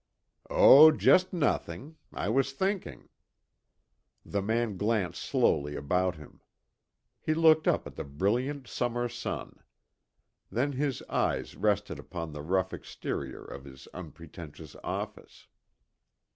"Oh, just nothing. I was thinking." The man glanced slowly about him. He looked up at the brilliant summer sun. Then his eyes rested upon the rough exterior of his unpretentious office.